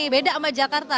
beda sama jakarta